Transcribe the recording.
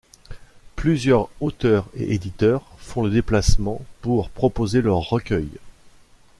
Plusieurs auteurs et éditeurs font le déplacement pour proposer leurs recueils.